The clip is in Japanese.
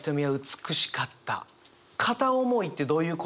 片思いってどういうことですか？